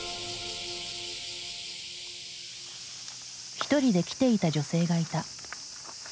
一人で来ていた女性がいた。